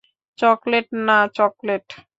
Chocolate না chocolate.